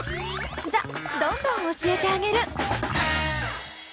じゃどんどん教えてあげる！